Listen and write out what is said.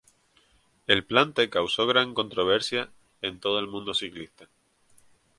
El plante causó gran controversia en todo el mundo ciclista.